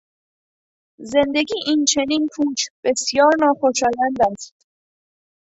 زندگی این چنین پوچ بسیار ناخوشایند است.